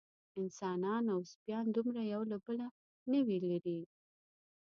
انسانان او سپیان دومره یو له بله نه وي لېرې.